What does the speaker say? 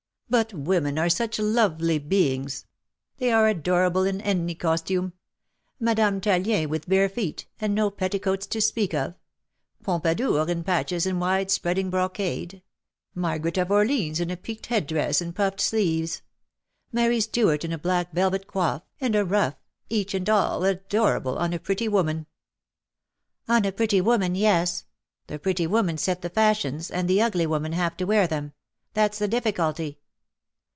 But women are such lovely beings — they are adorable in any costume. Madame Tallien with bare feet, and no petticoats to speak of — Pompadour in patches and wide spreading brocade — Margaret of Orleans in a peaked head dress and puff'ed sleeves — Mary Stuart in a black velvet coif, and a ruff — each and all adorable — on a pretty woman." " On a pretty woman — yes. The pretty women set the fashions and the ugly women have to wear them — that's the difficulty."